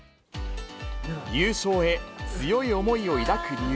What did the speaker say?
優勝へ、強い思いを抱く理由。